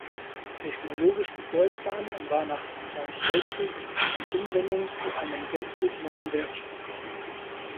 Technologisch bedeutsam war nach dem Zweiten Weltkrieg die Hinwendung zu einem gänzlich neuen Werkstoff.